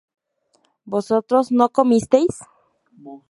vosotros no comisteis